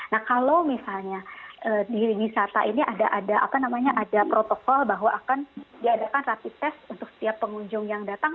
nah kalau misalnya di wisata ini ada protokol bahwa akan diadakan rapi tes untuk setiap pengunjung yang datang